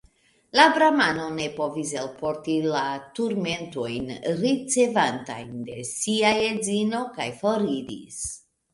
La bramano ne povis elporti la turmentojn, ricevatajn de sia edzino, kaj foriris.